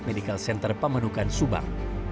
medical center pamanukan subang